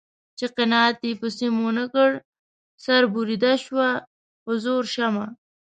چې قناعت یې په سیم و نه کړ سر بریده شوه په زرو شمع